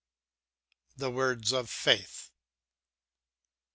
THE WORDS OF FAITH.